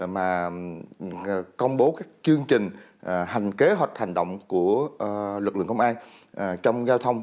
mà công bố các chương trình hành kế hoạch hành động của lực lượng công an trong giao thông